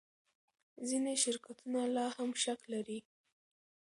ځینې شرکتونه لا هم شک لري.